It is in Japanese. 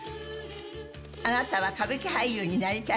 あなたは歌舞伎俳優になりたいですか？